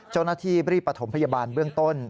เจ้าหน้าที่รีบประถมพยาบาลเบื้องต้น